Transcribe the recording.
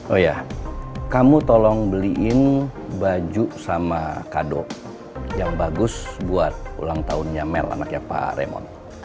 oh ya kamu tolong beliin baju sama kadok yang bagus buat ulang tahunnya mel anaknya pak remon